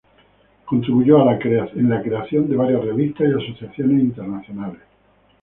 Contribuyó en la creación de varias revistas y asociaciones internacionales.